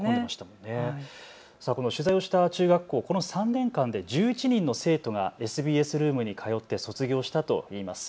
取材をした中学校、この３年間で１１人の生徒がＳＢＳルームに通って卒業したといいます。